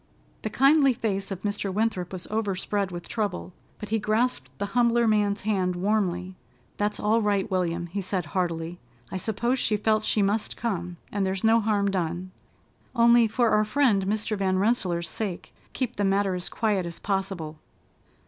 The kindly face of Mr. Winthrop was overspread with trouble, but he grasped the humbler man's hand warmly: "That's all right, William," he said heartily. "I suppose she felt she must come, and there's no harm done. Only, for our friend Mr. Van Rensselaer's sake, keep the matter as quiet as possible."